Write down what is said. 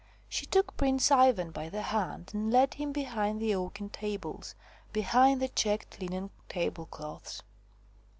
She took Prince Ivan by the hand and led him behind the oaken tables, behind the checked linen tablecloths.